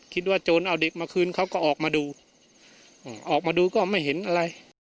โจรเอาเด็กมาคืนเขาก็ออกมาดูออกมาดูก็ไม่เห็นอะไร